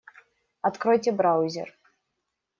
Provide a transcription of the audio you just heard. Откройте браузер.